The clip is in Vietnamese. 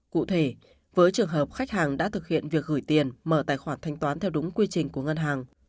cụ thể với trường hợp khách hàng đã thực hiện việc gửi tiền mở tài khoản thanh toán theo đúng quy trình của ngân hàng